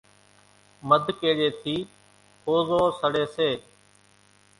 مڌ ڪيڙيئيَ ٿِي ۿوزو سڙيَ سي۔